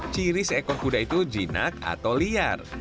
ciri seekor kuda itu jinak atau liar